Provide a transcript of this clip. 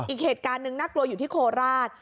อีกเหตุการณ์หนึ่งน่ากลัวอยู่ที่โคราช